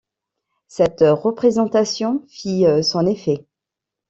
Cette représentation fit son effet.